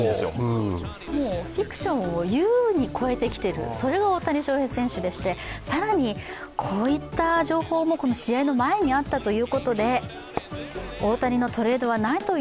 フィクションを優に超えてきてる、それが大谷翔平選手でして、更にこういった情報もこの試合の前にあったということで。